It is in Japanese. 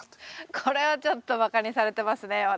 これはちょっと馬鹿にされてますね私。